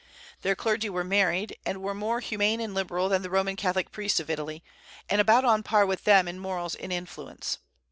Their clergy were married, and were more humane and liberal than the Roman Catholic priests of Italy, and about on a par with them in morals and influence.